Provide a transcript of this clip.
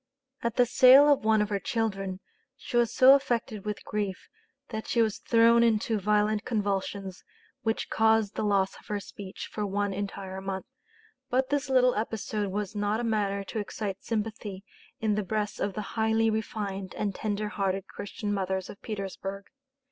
At the sale of one of her children she was so affected with grief that she was thrown into violent convulsions, which caused the loss of her speech for one entire month. But this little episode was not a matter to excite sympathy in the breasts of the highly refined and tender hearted Christian mothers of Petersburg.